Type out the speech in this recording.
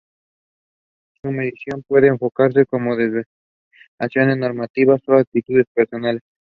Su medición puede enfocarse como desviaciones normativas o actitudes personales.